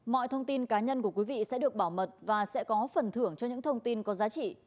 mọi thông tin cá nhân của quý vị sẽ được bảo mật và sẽ có phần thưởng cho những thông tin có giá trị